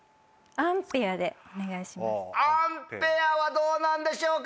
アンペアはどうなんでしょうか？